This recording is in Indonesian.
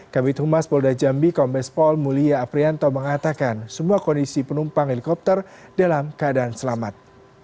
kabit humas polda jambi kombes pol mulia aprianto mengatakan semua kondisi penumpang helikopter dalam keadaan selamat